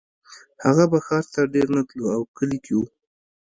هغه به ښار ته ډېر نه تلو او کلي کې و